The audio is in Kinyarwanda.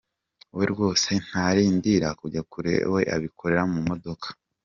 We rwose ntarindira kujya kure we abikorera mu modoka!